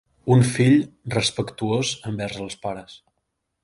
Un fill respectuós envers els pares.